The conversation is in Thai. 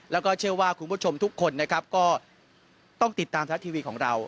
แล้วก็เชื่อว่าคุณผู้ชมทุกคนนะครับก็ต้องติดตามทรัฐทีวีของเรา